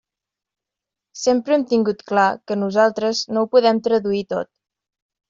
Sempre hem tingut clar que nosaltres no ho podem traduir tot.